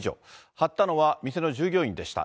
貼ったのは店の従業員でした。